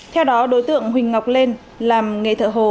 theo đó đối tượng huỳnh ngọc lên làm nghề thợ hồ